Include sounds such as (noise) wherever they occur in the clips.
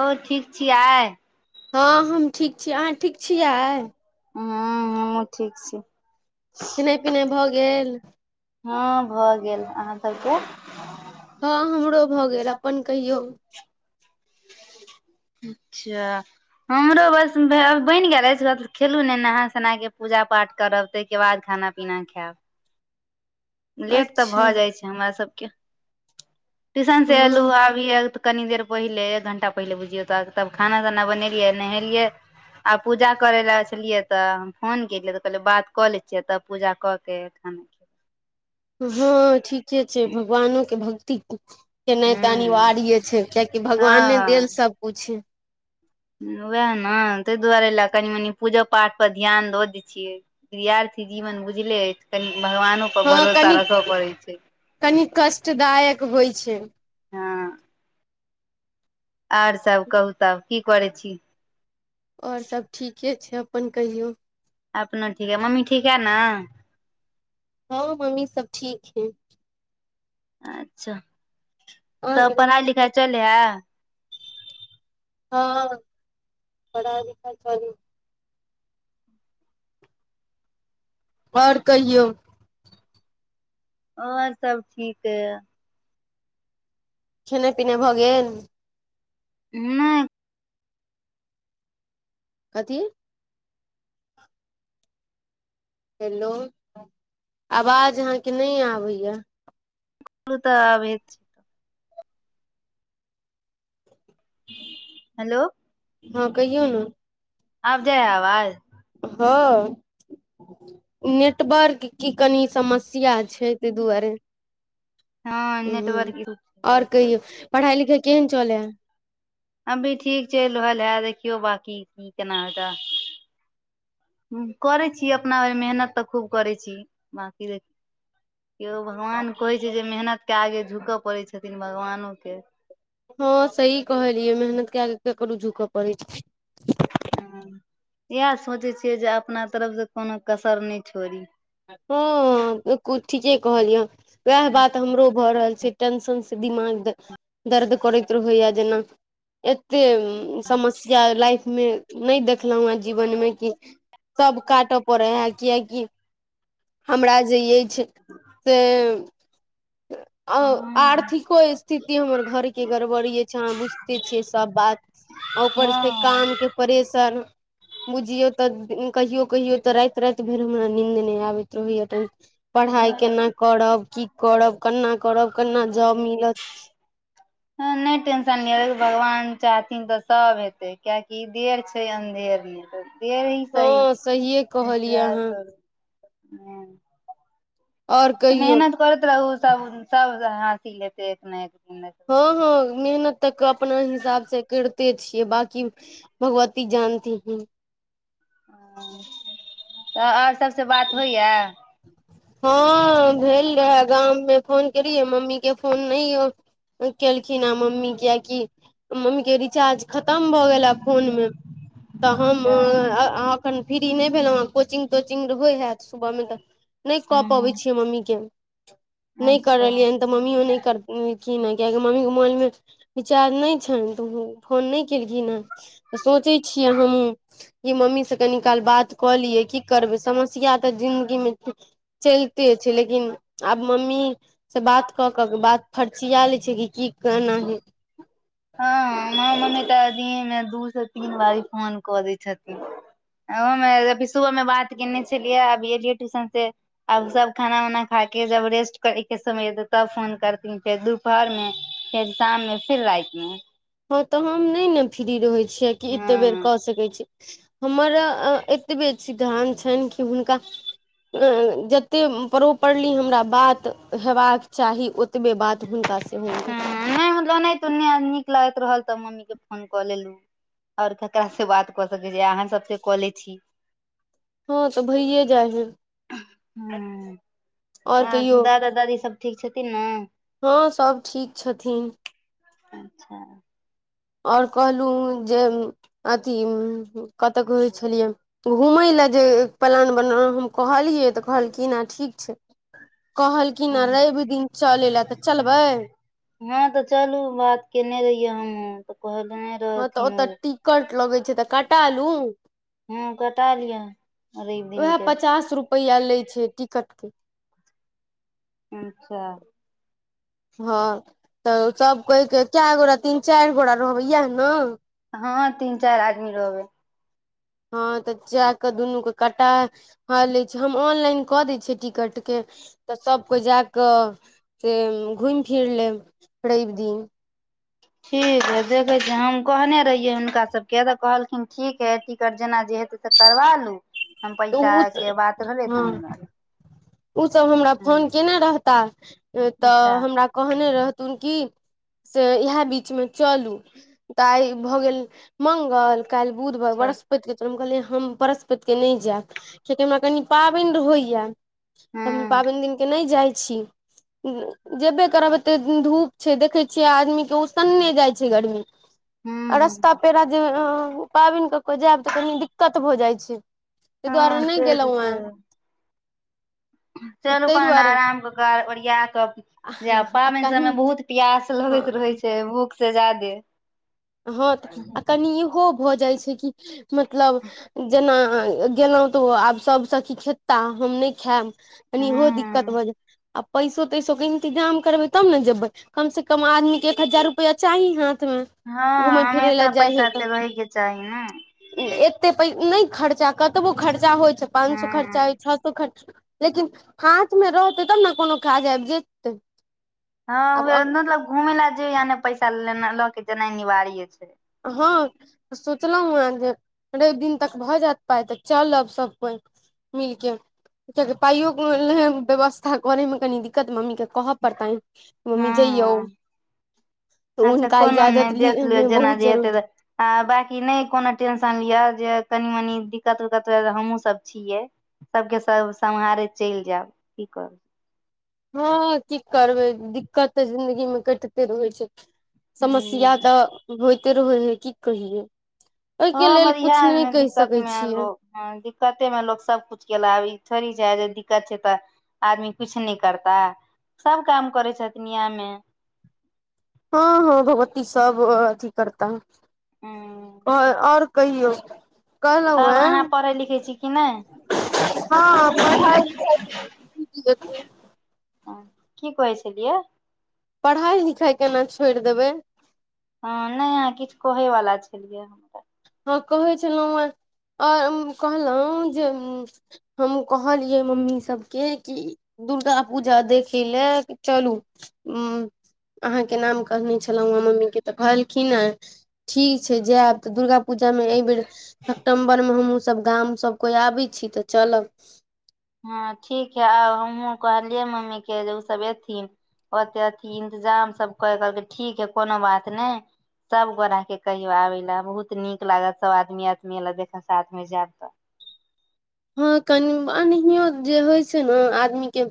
अहाँ ठीक छियाई हँ हम ठीक छी अहाँ ठीक छियाय हूँ हमहु ठीक छी खेनाई-पिनाई भऽ गेल हँ भऽ गेल अहाँ सबके हँ हमरो भऽ गेल अपन कहियौ अच्छऽ हमरो बस भै बैन गेल अछि बस खेलु नइ नहा सोना केँ पूजा पाठ करब ताहि केँ बाद खाना पिना खैब लेट तऽ अच्छा भऽ जाइ छै हमरा सब केँ ट्यूशन से हँ एलहुँ आब अभीयो तऽ कनी देर पहिले एक घंटा पहिले बुझियौ तऽ तब खाना ताना बनेलियै नहेलियै आ पूजा करे लऽ छलियै तऽ हम फोन केलियै तऽ कहलियै बात कऽ लैए छियै तब पूजा कऽ केँ तेखन हँ ठीके छै भगवानो केँ भक्ति केनाय तऽ हूँ अनिवार्य छै किआकि भगवाने हँ देल सब कुछ वैह नऽ तैय दुआरे लऽ कनि-मनि पूजा पाठ पर ध्यान दऽ दै छियै विद्यार्थी जीवन बुझले अछि कनि भगवानोपर भरोसा रखऽ पड़ै छै कनी कष्टदायक होइ छै हँ आओर सब कहू तब की करै छी आओर सभ ठीके छै अपन कहियौ अपनो ठीक है मम्मी ठीक है नऽ हँ मम्मी सब ठीक हइ अच्छा अहाँके तब मम्मी? पढ़ाई लिखाइ चले है हँ पढ़ाई लिखाई चलै आओर कहियौ आओर सब ठीक यऽ खेनाइ पिनाइ भऽ गेल हुँ कथी हेलो आवाज अहाँकेँ नय आबै यऽ सुतअ आबै छै हेलो हँ कहियौ नऽ आब जाय यऽ आवाज हँ नेटवर्क की कनि समस्या छै तैय दुआरे हँ हुँ नेटवर्क आओर कहियौ पढ़ाई लिखाई केहन चलै हे अभी ठीक चइल रहल है देखियौ बाकी की-केना होतय करै छी अपना भैर मेहनत तऽ खूब करै छी बकी देख खिओ भगवान कहै छै जे मेहनत केँ आगे झुकऽ पड़ै छथिन भगवानोे केँ हँ सही कहलियै मेहनत केँ आगे केकरो झुकऽ पड़ै छै हँ इहै सोचै छियै जे अपना तरफ सँ कोनो कसर नय छोड़ी हँ कु - ठिकेँ कहलियै हँ वैह बात हमरो भऽ रहल छै टेंशन से दिमाग दर्द करैत रहै यऽ जेना एते समस्या लाइफमे नय देखलहुँ हेँ जीवनमे कि सब काटऽ पड़े है क्याकि हमरा जे अछि से (inaudible) आ आर्थिको स्थिति हमर घर केँ गड़बड़ी छै अहाँ बुझिते छियै सब बात आ ऊपर से काम के परेशर बुझियौ त कहियो कहियो त रात रात भैर हमरा नींद नै होएय अबैत रहैय (unintelligible) पढ़ाइ केना करब की करब कन्ना करब केना जॉब मिलत (inaudible) हॅं नय टेंशन लियैअ भगवान चाहथिन तऽ सब हेते किआकि देर छै अन्धेर (unintelligible) जेभी सही हँ सहिए कहलियै इन्तजार अहाँ करू हूं आओर कहियौ मेहनत करैत रहू सब सब हासिल हेतै एक ने एक दिन हँ तऽ हँ मेहनत तऽ अपना हिसाब से कैरते छियै बाकी भगवती जानती हीन तऽ और सबसे बात होइया हँ भेल रहे गाम मे फोन कियै मम्मी के फोन नय यौ केलखिन हैं मम्मी कियाकि मम्मी के रिचार्ज खतम भऽ गेला फोन मे तऽ हम्म अच्छा अ आ अखन फ्री नय भेलो ह कोचिंग तोचिंग होय हैत सुबह में तऽ नय कऽ हँ पबै छियै मम्मी के नय अच्छा करैलियन तऽ मम्मीओ नय कर कीन कियाकी मम्मी के मोन मे बिचार नय छैन तऽ फोन नय केलखिन हन त सोचे छियै हमूँ ई मम्मी से कनी काल बात कऽ लियै की करबै समस्या तऽ जिन्दगी में चैलते छै लेकिन आब मम्मी से बात कऽ के बात फर्चिया ले छै कि की केना है हँ माँ मम्मी तऽ दिनमे दू से तीन बारी फोन कऽ दै छथिन ओहोमे अभी सुभमे बात केने छलियै अभी एलियै ट्यूशन से आब सब खाना उना खा के जब रेस्ट करै के समय एयते तब फोन करथिन फेर दु दुपहर मे फेर शाम मे फिर राइत मे हँ तऽ हम नय नै फ्री रहै छियै कि मे एते बेर हँ कऽ सकै छीय हमर अ एतबे सिद्धांत छैन कि हुनका जतेक प्रॉपरली हमरा बात हेबाक चाही ओ एतबे बात हुनका सेहो यऽ नय मतलब अनाहितो नै आ नीक लगैत रहल तऽ मम्मी के फोन कऽ लेलहु और केकरा सऽ बात कऽ सकै छी अहाँ सबसे कऽ ले छी हँ तऽ भइए जाए है हँ आओर आ कहियौ दादा दादी सब ठीक छथिन न हँ सब ठीक छथिन अच्छा और कहलहुँ जे अथी कतअ कहइ छेलियै घूमय लेल जे प्लान बनल हम कहलियै तऽ कहलखिन हँ ठीक छै कहलखिन हँ रइब दिन चलै लए तऽ चलबै हँं तऽ चलू बात केने रहिये हमहू त कह हँ तऽ ओत टिकट लगै छै तऽ कटा लू हूं कटा लिअ रैइब दिनके रुपैया लै छै टिकट के अच्छा हँ तऽ सब कहिके क गोरा तीन चैर गोरा रहबै इएह नऽ हँ तीन चाइर आदमी रहबै हँ तऽ जा कऽ दुनू के कटा हँ लै छै हम ऑनलाइन कऽ दै छियै टिकटके तऽ सब कोइ जा कऽ से घुइम-फिर लेब रइब दिन ठीक हइ देखै छिय हम कहने रहियै हुनका सबके तऽ कहलखिन ठीक हइ टिकट जेना जे हेत त करबा लू हम पैसा उ के बात भेलै तऽ हम उसब हमरा फोन केने रहता हूँ, अच्छा तऽ हमरा कहने रहथुन किऽ से इएह बीचमे चलू तऽआइ भऽ गेल मंगल काल्हि बुध ब अच्छा वरस बस् त हम कहलियै हम बृहस्पत के नै जाएब कियकि हमरा कनि पाबनि रहैया। तऽ हम हँ पाबनि दिनके नै जाइ छी। जेबे करब एते धूप छै। देखै छियै। आदमीे के उसने जाइ छै। गर्मी हँ रास्ता पेरा ज पाबनि कऽ क जाएब तऽ कनि दिक्कत भऽ जाइ छै। तै हँ दुआरे नै से तऽ छै गेलौयें चलू ताहि पन दुआरे आराम क क ओरिया कऽ जेएब पाबनि कनी सबमे बहुत प्यास हँ लगैत रहै छै। भूख से ज्यादे हँ तऽ आ कनि इहो भऽ जाइ छै। कि मतलब जेना गेलौं तऽ ओ आब सब सकी खेताह हम नै खाएब। कनि ओहो दिक्कत भऽ जाय आ पैसो तैसोके इन्तजाम करबै तब ने जेबै कम से कम आदमी केऽ एक हजार रुपआ चाही हाथ मे हँ हमेशा पैसा तेऽ रहैके चाही नाय एते पै नै खर्चा कतबो खर्चा होइ छै पांन सो खर्चा हूँ होय छओ सो खर्चा लेकिन हाथ मे रहतै तब न कोनो काज आबि जेत। हँ (unintelligible) मतलब घुमै लऽ जैहें पैसा लेने लऽ कऽ जेनाइ निवार्य छै हँ तऽ सोचलौं वैं जे रैव दिन तक भऽ जाएत पाइ तऽ चलब सब कोइ मिलके किया किऽ पाइयो व्यवस्था करे मे कनी दिक्कत मम्मी केऽ कहऽ पड़तै मम्मी जइयौ हूँ तऽ अच्छा उन्हका कोनो नहि इजाजत लीऽ देख लियौ मे जेना बहुत जे हेतै तऽ जरूरी आ बाँकी नै कोनो टेंशन लिअ जे कनी-मनी दिक्कत-उक्कत हमहूँ सब छियै सबके सब सम्हारैत चलि जाब की करब हँ की करबै दिक्कत तऽ जिंन्दगीमे कटिते रहै छै। हूँ समस्या तऽ होइते रहै हइ की कहियै। ओइके लेल कुछ बिहार नै मे कहि दिक्कत सकै मे छियै। लोग हँ दिक्कते मे लोक सब कुछ केल आब ई थोड़ी छै। जे दिक्कत छै तऽ आदमी कुछ नै करताइ सब काम करै (unintelligible) मे हँ हँ भगवती सब अथि करता हूँ आओर आओर कहियौ। कहलहुँ तब अहाँ हें परैह लिखै छी किऽ नै हँ (unintelligible) हँ किऽ कहै छलियै पढाई लिखाय केना छोएड़ देबै हँ नै अहाँ किछ कहै वलाा छलियै। हँ हँ कहै छलौं उँ आओ कहलौंजे हम कहलियै मम्मी सबके कि ई दुर्गा पूजा देखी ले चलू हूँ अहाँ के नाम कहने छलौं ह मम्मी के तऽ कहलखिन ह ठीक छै। जायब तऽ दुर्गा पूजा मे ऐ बेर सप्टेम्बर मे हमूँ सब गाम सभ कोइ आबै छी तऽ चलब। ह ठीक है आ हमहुँ कहलियै मम्मी कऽ जे उसब एथिन ओते अथी इंतजाम सब कऽ कहलकै ठीक है कोनो बात नहि सब गोरा कऽ कहियो आबैले बहुत नीक लागत सब आदमी-आदमी एलऽ देखल साथ मे जायब तऽ हँ कनि अनहियो जँ होइ छै नहि आदमी कऽ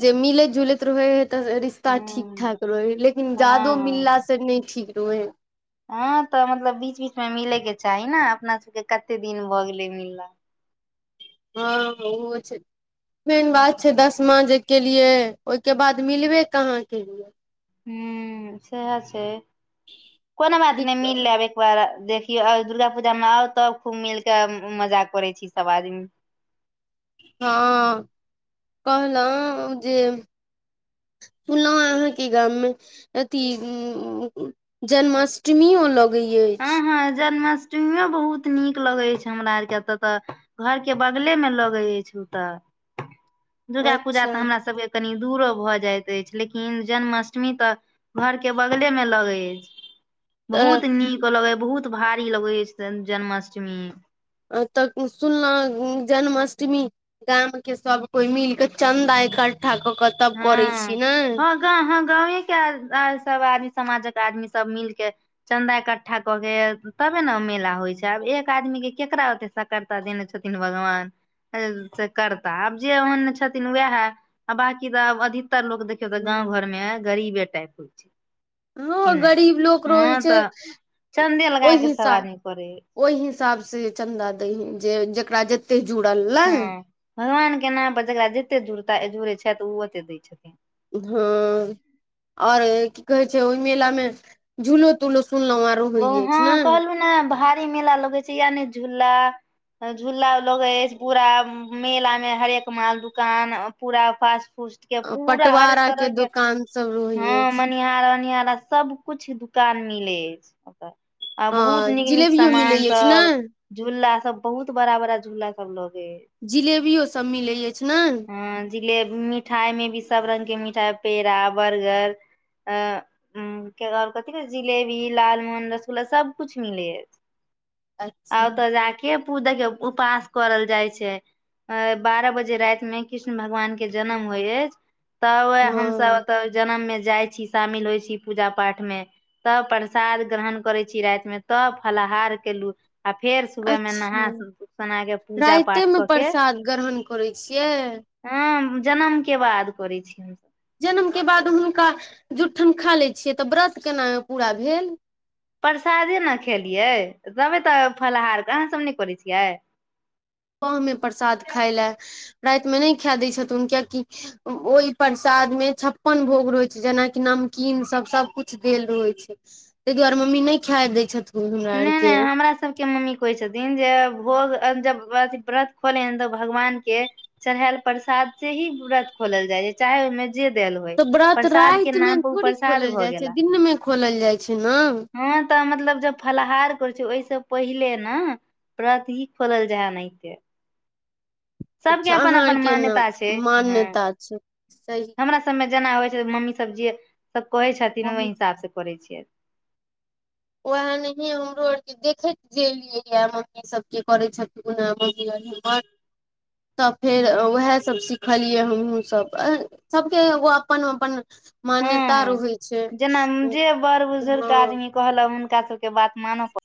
जँ मिलैत-झुलैत रहए तऽ सऽ र ता ठीक हूँ ठाक रहे हय लेकिन जादो हँ मिललास से नहि ठीक रहे ह ह तऽ मतलब बीच-बीच मे मिले कऽ चाही नहि अपना सबके कते दिन भऽ गेले मिल ला हँ ओहो छै। मेन बात छै दसमा जँ केलिये ओहिके बाद मिलबे कहाँ केलिये हुँ सएह छै कोनो बात नहि मिल लेब देखियौ दुर्गा पूजा मे आउ तब खूब मिल क मजा करे छी। सब आदमी हँ कहलो जे (unintelligible) सुनलौं अहाँके गाम मे अति (unintelligible) उम्म-उम्म उम जन्माष्टमीयो लग हँ हँ जन्माष्टमीओ बहुत नीक लगै छै हमरा आरके एतय तऽ घर के बगले मे लगे अछि। ओ तऽ दुर्गा पूजा अच्छा तऽ हमरा सबके कनि दूरो भऽ जाइत अछि। लेकिन जन्माष्टमी तऽ घरके बगलेमे लगै तऽ बहुत नीक लगै बहुत भारी लगै अछि जन्माष्टमी। आ तऽ सुनलहु जन्माष्टमी गाम के सब कोइ मिल क चन्दा इकठ्ठा कऽ क तब करै छी ने ग (unintelligible) ह गावे के सब आदमी समाजक आदमी सब मिलके चन्दा इकठ्ठा कऽ कऽ तबे नहि मेला होइ छै आब एक आदमी कऽ केकरा देते सकरता देने छथिन भगवान। सऽ करता आब जँ ओहन छथिन वएह कऽ दाब अधिकतर लोक देखियौ तऽ गाँव घरमे गरीबे टाइप के छै हँ कि नहि गरीब लोक रहै हँ छै तऽ चन्दे लगा ओह के सब हिस्सा आदमी करे ओएह हिसाब सँ चन्दा दैहि जँ जेकरा जते जुड़ल नहि हँ भगवान कऽ नामपर जेकरा जत्ते जुड़ता जुड़ै छै तऽ उ ओते दै छथिन। ह और कऽ कहे छै ओए मेला मे झूलो-तूलो सुनलौ यऽ ओ हँ कहलू ने भारी मेला लगै छै। या ने झूला झुला लोगै अछि पूरा गाम मेला मे हरेक माल दुकान पूरा फास-फूस के पूरा हर पटवारा तरह के दोकान सब हँ रहै अछि मने निहारा-निहारा सबकुछ दुकान मिले ऐछ ओतऽ। आ बहुत हँ नीक नीक जिलेबियो मिलै अछि ने सामानसभ झूला सब बहुत बड़ा बड़ा झूला सब लगे हय जिलेबियोसभ मिलै अछि ने हँ जेलेबी मिठाइ मे भी सब रंगग के मिठाइ पेड़ा बर्गर अ (unintelligible) उम्म कऽ आर कथि कहै जिलेबी लाल पान रसगुल्ला सबकुछ मिले अछि अच्छा आ ओतऽ जाके के पू (unintelligible) द के उपास करल जाइ छै। आई बारह बजे राति मे कृष्ण भगवान के जनम होइ है अछि। तब हमसब हँ ओत जनम मे जाइ छी। शामिल होइ छी। पूजा पाठ मे तब प्रसाद ग्रहण करै छी। राति मे तब फलहार केलु आ फेर सुबहमे नहा अच्छा सुना केऽ पूजा राइते पाठ मे कऽ के प्रसाद ग्रहण करै छियै हम जनम केऽ बाद करै छी हम स जनम के बाद हुनका जुट्ठन खा लै छियै। तऽ व्रत केना पूरा भेल। प्रसादे न खेलियै तबे तऽ फलहार अहाँ सब नै करै छियाय (unintelligible) प्रसाद खाएय लए रातिमे नै खाए दै छथुन। कियाकि ओइ प्रसाद मे छप्पन भोग रहै छै। जेनाकि नमकीन सब सब कुछ देल रहै छै ताहि दुआरे मम्मी नै खाए दै छथून। हमरा नै आर नै के हमरा सबके मम्मी कहै छथिन जे भोग अन जब अथि व्रत खोले हन तबऽ भगवान केऽ चराएल प्रसाद से ही व्रत खोलै जाइ है चाहे ओयमे जे दालऽ होय तऽ ब्रत प्रसाद के राइत मे नाम पर उ थोड़ी खोल प्रसाद भऽ जाइ छै न गेला दिनमे खोल जाइ छै न हँ तऽ मतलब जे फलहार करै छै ओइसँ पहिले न प्रत ही खोल जाएहा अनाहते सबके अच्छा अपन अहाँ अपन आरके ने मान्यता छै हँ मान्यता छै सही हमरा सब सबमे जेना होइ छै मम्मी सब जे सब कहै छथिन ओय हिसाब से करै छियै वएह नैय कि हमरो आर के देखैत जेलेलियै या मम्मी इ सब के करै छथि तऽ फेर हँ वएह स सब सिखलियै हमहु सब सबके एगो अपन- अपन मान्यता हँ रहै छै ह हँ कहल हुनका सबके बात मानऽ प